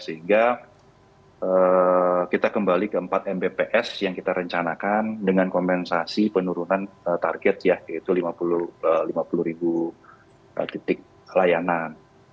sehingga kita kembali ke empat mbps yang kita rencanakan dengan kompensasi penurunan target ya yaitu lima puluh ribu titik layanan